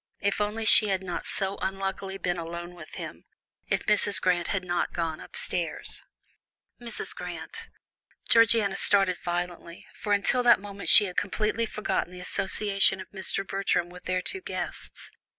If only she had not so unluckily been alone with him if Mrs. Grant had not gone upstairs! Mrs. Grant! Georgiana started violently, for until that moment she had completely forgotten the association of Mr. Bertram with their two guests.